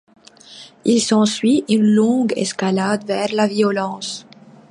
Il s’ensuit une longue escalade vers la violence.